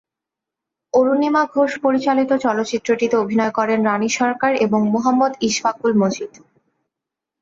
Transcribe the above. অরুণিমা ঘোষ পরিচালিত চলচ্চিত্রটিতে অভিনয় করেন রানী সরকার এবং মুহাম্মদ ইশফাকুল মজিদ।